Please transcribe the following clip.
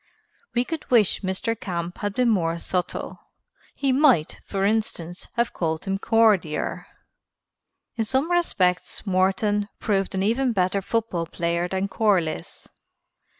We could wish Mr. Camp had been more subtle. He might, for instance, have called him Cordier. In some respects Morton proved an even better football player than Corliss.